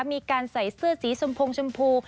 มีการใส่เสื้อสีชมพงชมพู